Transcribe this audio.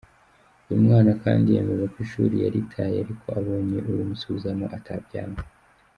Uyu mwana kandi yemeza ko ishuri yaritaye ariko abonye urimusubizamo atabyanga.